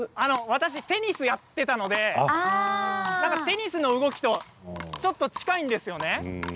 私はテニスをやっていたのでテニスの動きとちょっと近いんですよね。